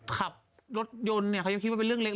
ขับรถยนต์เขายังคิดว่าเป็นเรื่องเล็กน้อย